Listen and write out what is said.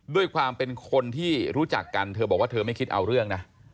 ด้วยความเป็นคนที่รู้จักกันเธอบอกว่าเธอไม่คิดเอาเรื่องนะ